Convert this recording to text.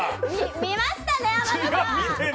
見ましたね天野さん。